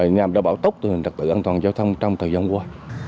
nhằm đảm bảo tốc tự an toàn giao thông trong thời gian qua